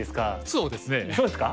そうですか？